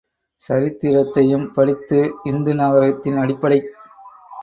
சரித்திரத்தையும் படித்து இந்து நாகரிகத்தின் அடிப்படைக்